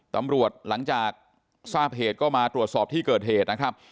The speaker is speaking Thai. ตำรวจหลังจากทราบเหตุก็มาตรวจสอบที่เกิดเหตุนะครับ